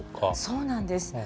そうなんです。